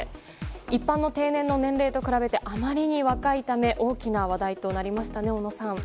一般の定年の年齢と比べてあまりに若いため大きな話題となりましたね。